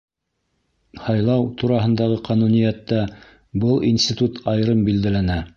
Һайлау тураһындағы ҡануниәттә был институт айырым билдәләнә.